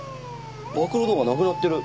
暴露動画なくなってる！